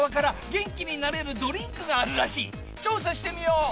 調査してみよう！